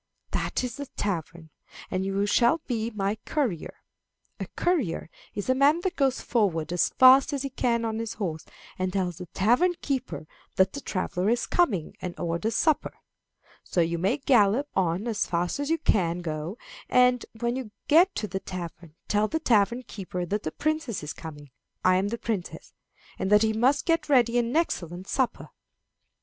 That is the tavern, and you shall be my courier. A courier is a man that goes forward as fast as he can on his horse, and tells the tavern keeper that the traveller is coming, and orders supper. So you may gallop on as fast as you can go, and, when you get to the tavern, tell the tavern keeper that the princess is coming I am the princess and that he must get ready an excellent supper."